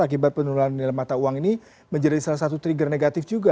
akibat penurunan nilai mata uang ini menjadi salah satu trigger negatif juga